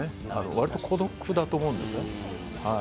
割と孤独だと思うんです。